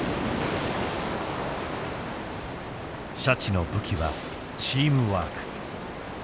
シャチの武器はチームワーク。